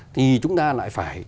thì chúng ta lại phải